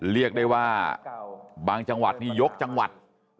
เรียกได้ว่าบางจังหวัดนี่ยกจังหวัด